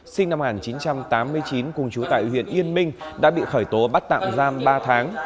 sinh năm một nghìn chín trăm tám mươi chín cùng chú tại huyện yên minh đã bị khởi tố bắt tạm giam ba tháng